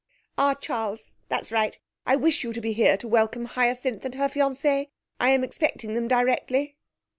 'Ah, Charles, that's right. I wish you to be here to welcome Hyacinth and her fiancé. I'm expecting them directly.'